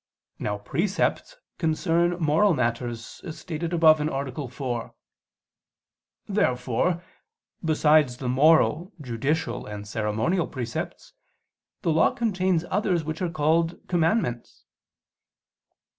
Now precepts concern moral matters, as stated above (A. 4). Therefore besides the moral, judicial and ceremonial precepts, the Law contains others which are called "commandments."